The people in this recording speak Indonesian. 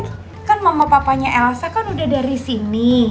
kan mama papanya elsa kan udah dari sini